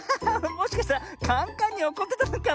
もしかしたらカンカンにおこってたのかもね。